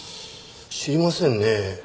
知りませんねえ。